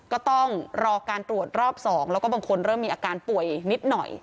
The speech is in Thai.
ก็ต้องรอการตรวจรอบ๒แล้วก็บางคนเริ่มมีอาการป่วยนิดหน่อย